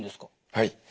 はい。